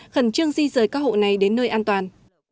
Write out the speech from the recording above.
khẩn trương di rời các hộ này đến nơi an toàn